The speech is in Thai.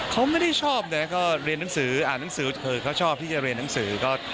เขาไม่ได้ชอบนะก็เรียนหนังสืออ่านหนังสือเผื่อเขาชอบที่จะเรียนหนังสือ